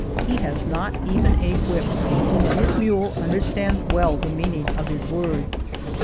He has not even a whip, but his mule under stands well the mean ing of his words.